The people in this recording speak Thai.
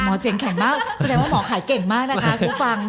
เสียงแข็งมากแสดงว่าหมอขายเก่งมากนะคะผู้ฟัง